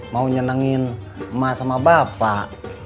mau nyenengin emas sama bapak